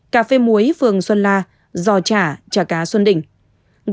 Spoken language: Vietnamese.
cà phê muối phường xuân la giò chả cá xuân đình